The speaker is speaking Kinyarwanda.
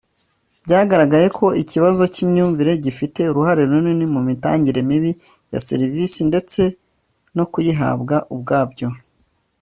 byagaragaye ko ikibazo cy’imyumvire gifite uruhare runini mu mitangire mibi ya serivisi ndetse no mu kuyihabwa ubwabyo